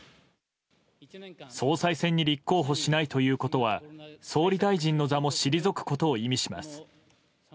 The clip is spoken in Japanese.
総裁選に立候補しないということは、総理大臣の座も退くことを意味します。